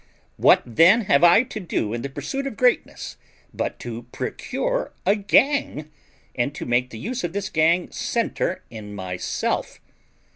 What then have I to do in the pursuit of greatness but to procure a gang, and to make the use of this gang centre in myself?